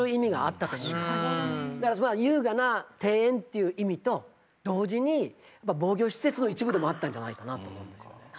だから優雅な庭園っていう意味と同時に防御施設の一部でもあったんじゃないかなと。